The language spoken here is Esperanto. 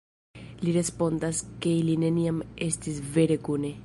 Li respondas ke ili neniam estis vere kune.